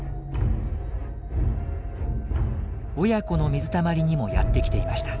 親子の水たまりにもやってきていました。